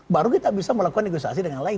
baru kita bisa melakukan negosiasi dengan lain